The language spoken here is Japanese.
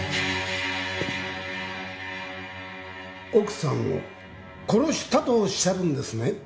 奥さんを殺したとおっしゃるんですね？